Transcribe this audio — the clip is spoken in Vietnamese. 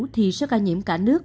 thì số ca nhiễm cả nước